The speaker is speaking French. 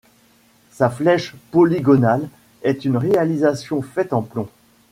Sa flèche polygonale est une réalisation faite en plomb.